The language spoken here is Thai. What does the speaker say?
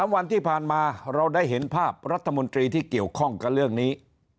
วันที่ผ่านมาเราได้เห็นภาพรัฐมนตรีที่เกี่ยวข้องกับเรื่องนี้